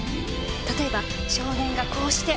例えば少年がこうして。